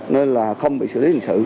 nên là không bị xử lý hình sự